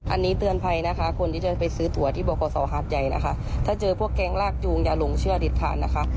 อันนี้เตือนภัยนะคะคนที่จะไปซื้อตัวที่บอกขอสอหาดใหญ่นะคะถ้าเจอพวกแก๊งลากจูงอย่าหลงเชื่อเด็ดขาดนะคะ